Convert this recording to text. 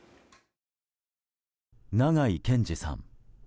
長井健司さん。